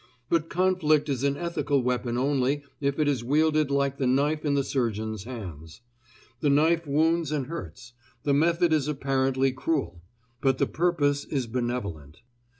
But conflict is an ethical weapon only if it is wielded like the knife in the surgeon's hands. The knife wounds and hurts; the method is apparently cruel; but the purpose is benevolent.